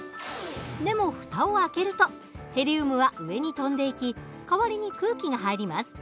でも蓋を開けるとヘリウムは上に飛んでいき代わりに空気が入ります。